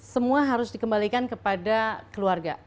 semua harus dikembalikan kepada keluarga